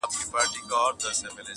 • موږ یې په لمبه کي د زړه زور وینو -